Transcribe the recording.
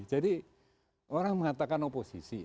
jadi orang mengatakan oposisi